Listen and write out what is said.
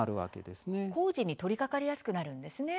工事に取りかかりやすくなるんですね。